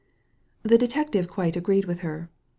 The detective quite agreed with her.